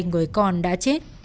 hai người con đã chết